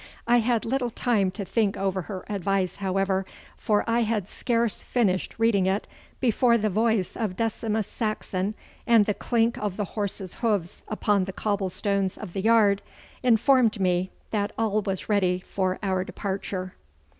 I had little time to think over her advice, however, for I had scarce finished reading it before the voice of Decimus Saxon, and the clink of the horses' hoofs upon the cobble stones of the yard, informed me that all was ready for our departure.